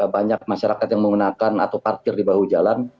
banyak masyarakat yang menggunakan atau parkir di bahu jalan